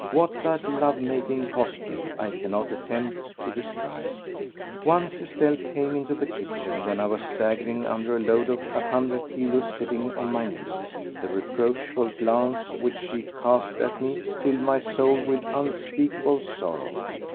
What that love making cost me I cannot attempt to describe. Once Estelle came into the kitchen when I was staggering under a load of a hundred kilos sitting on my knee. The reproachful glance which she cast at me filled my soul with unspeakable sorrow.